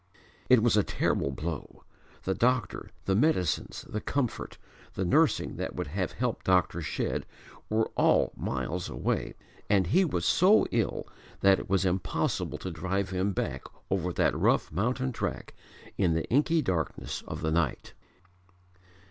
It was a terrible blow: the doctor, the medicines, the comfort, the nursing that would have helped Dr. Shedd were all miles away and he was so ill that it was impossible to drive him back over that rough mountain track in the inky darkness of the night.